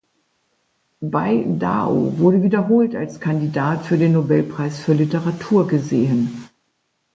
Bei Dao wurde wiederholt als Kandidat für den Nobelpreis für Literatur gesehen.